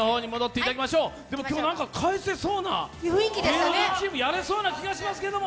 今日、なんか返せそうな、芸能人チームやれそうな感じがしますけども。